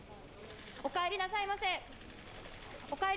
お帰りなさいませ！